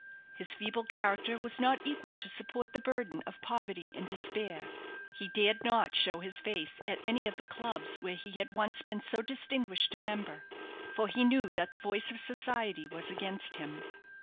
His feeble character was not equal to support the burden of poverty and despair. He dared not show his face at any of the clubs where he had once been so distinguished a member; for he knew that the voice of society was against him.